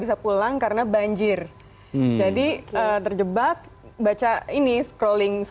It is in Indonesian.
salah satu yang dipermasalahkan